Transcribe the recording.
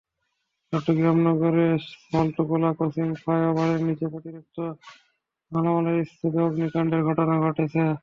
চট্টগ্রাম নগরের সল্টগোলা ক্রসিং ফ্লাইওভারের নিচে পরিত্যক্ত মালামালের স্তূপে অগ্নিকাণ্ডের ঘটনা ঘটেছে।